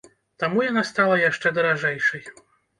Таму яна стала яшчэ даражэйшай.